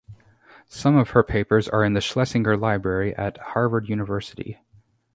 Some of her papers are in the Schlesinger Library at Harvard University.